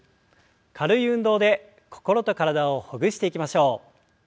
軽い運動で心と体をほぐしていきましょう。